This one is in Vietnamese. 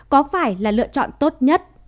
có phải là lựa chọn tốt nhất